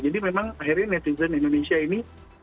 jadi memang akhirnya netizen indonesia ini